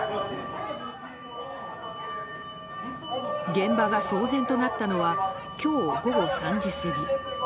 現場が騒然となったのは今日午後３時過ぎ。